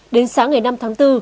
đến sáng ngày năm tháng bốn